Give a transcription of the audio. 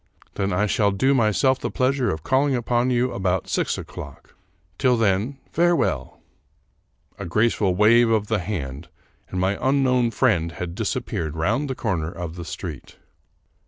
Then I shall do myself the pleasure of calling upon you about six o'clock. Till then, farewell !" A graceful wave of the hand, and my un known friend had disappeared round the corner of the street.